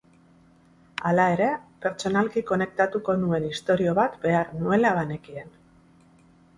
Hala ere, pertsonalki konektatuko nuen istorio bat behar nuela banekien.